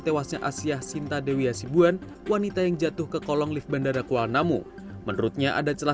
tewasnya asyah sinta dewi hasibuan wanita yang jatuh ke kolong lift bandara kuala namu menurutnya ada celah